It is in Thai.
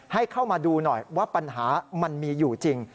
ให้เข้ามาดูหน่อยว่าปัญหามันมีอยู่จริง